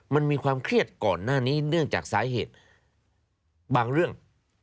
มันมีความเครียดก่อนหน้านี้เนื่องจากสาเหตุบางเรื่อง